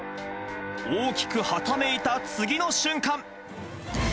大きくはためいた次の瞬間。